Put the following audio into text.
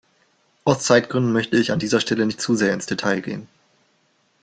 Aus Zeitgründen möchte ich an dieser Stelle nicht zu sehr ins Detail gehen.